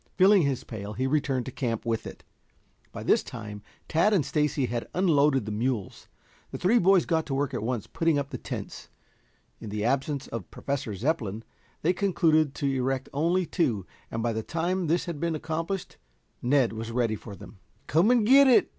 Filling his pail he returned to camp with it. By this time Tad and Stacy had unloaded the mules. The three boys got to work at once putting up the tents. In the absence of Professor Zepplin, they concluded to erect only two, and by the time this had been accomplished, Ned was ready for them. "Come and get it!"